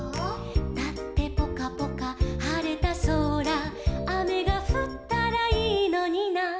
「だってぽかぽかはれたそら」「あめがふったらいいのにな」